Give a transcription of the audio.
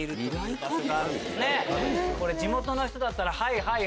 地元の人だったらはいはい！